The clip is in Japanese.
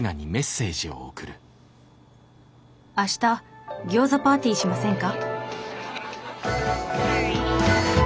「明日餃子パーティーしませんか？」。